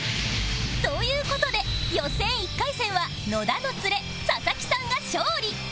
という事で予選１回戦は野田のツレ佐々木さんが勝利